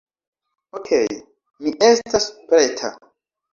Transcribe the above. Okej, mi estas preta